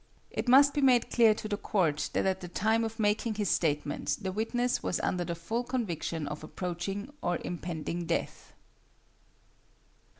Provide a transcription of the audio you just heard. It must be made clear to the court that at the time of making his statement the witness was under the full conviction of approaching or impending death.